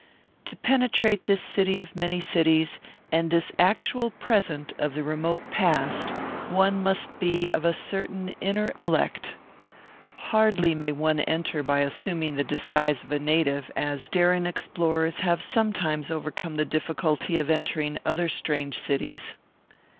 To penetrate this city of many cities, and this actual present of the remote past, one must be of a certain inner elect. Hardly may one enter by assuming the disguise of a native, as daring explorers have sometimes overcome the difficulty of entering other strange cities.